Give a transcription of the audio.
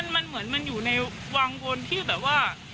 มันเหมือนมันอยู่ในวังวนที่แบบว่า